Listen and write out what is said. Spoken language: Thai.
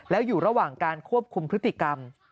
แล้วอยู่ระหว่างการควบคุมพฤติกรรม